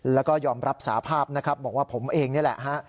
แล้วก็ยอมรับสาภาพนะครับบอกว่าผมเองนี่แหละฮะ